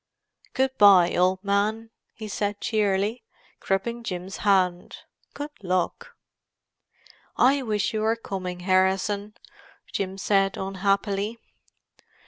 "Good bye, old man," he said cheerily, gripping Jim's hand. "Good luck." "I wish you were coming, Harrison," Jim said, unhappily.